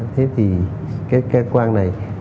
thế thì cái cơ quan này